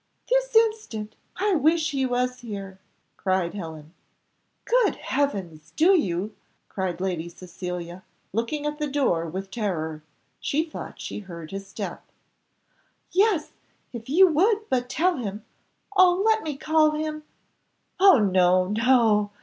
"This instant I wish he was here," cried Helen. "Good Heavens! do you?" cried Lady Cecilia, looking at the door with terror she thought she heard his step. "Yes, if you would but tell him O let me call him!" "Oh no, no!